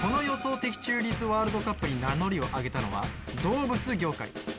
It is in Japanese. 的中率ワールドカップに名乗りを上げたのは動物業界。